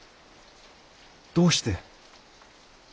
どうして？